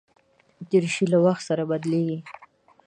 دریشي له وخت سره بدلېږي.